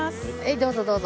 どうぞどうぞ。